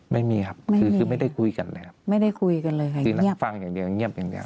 ไม่มีครับคือไม่ได้คุยกันเลยครับคือฟังอย่างเดียวเงียบอย่างเดียว